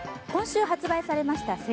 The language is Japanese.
今週発売されました